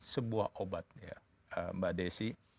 sebuah obat mbak desi